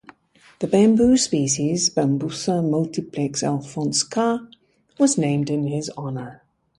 The bamboo species "Bambusa multiplex Alphonse Karr" was named in his honour.